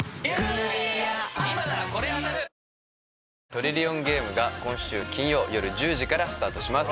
「トリリオンゲーム」が今週金曜よる１０時からスタートします